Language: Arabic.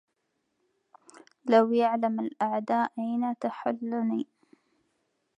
لو يعلم الأعداء أين تحلني